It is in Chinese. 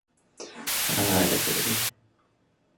并在国外订购了大门门锁。